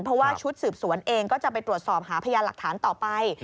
เพราะว่าชุดสืบสวนเองก็จะไปตรวจสอบหาพยานหลักฐานต่อไป